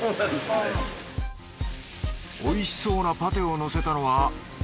おいしそうなパテをのせたのは。